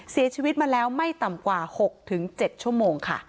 เสียชีวิตมาแล้วไม่ต่ำกว่า๖๗ชั่วโมงค่ะ